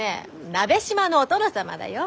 鍋島のお殿様だよ。